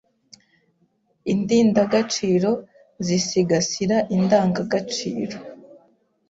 Indindagaciro zisigasira indangagaciro